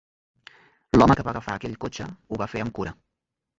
L'home que va agafar aquell cotxe ho va fer amb cura.